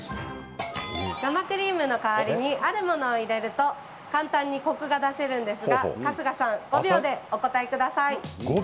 生クリームの代わりにあるものを入れると簡単にコクが出せるんですが春日さん５秒でお答えください。